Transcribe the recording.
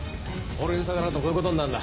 俺に逆らうとこういうことになるんだ！